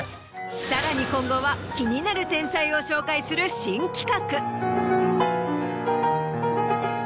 さらに今後は気になる天才を紹介する新企画。